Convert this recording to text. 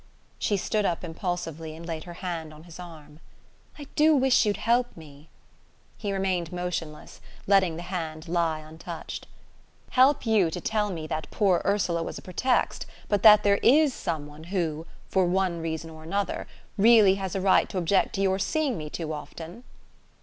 She stood up impulsively and laid her hand on his arm. "I do wish you'd help me !" He remained motionless, letting the hand lie untouched. "Help you to tell me that poor Ursula was a pretext, but that there IS someone who for one reason or another really has a right to object to your seeing me too often?"